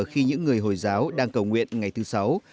khi những người hồi giáo đang cầu nguyện ngày thứ sáu